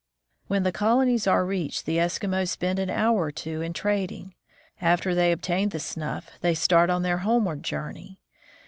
When the colonies are reached, the Eskimos spend an hour or two in trading. After they obtain the snuff, they start on their homeward journey.